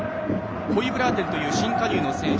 ホイブラーテンという新加入の選手。